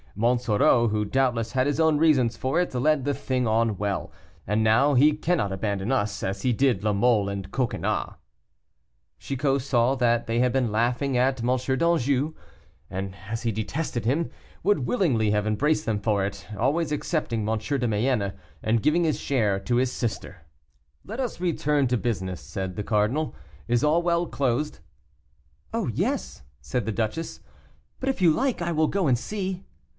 Monsoreau, who doubtless had his own reasons for it, led the thing on well, and now he cannot abandon us, as he did La Mole and Coconnas." Chicot saw that they had been laughing at M. d'Anjou, and as he detested him, would willingly have embraced them for it, always excepting M. de Mayenne, and giving his share to his sister. "Let us return to business," said the cardinal, "is all well closed?" "Oh, yes!" said the duchess, "but if you like I will go and see."